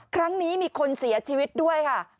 ครั้งนี้มีคนเสียชีวิตด้วยค่ะ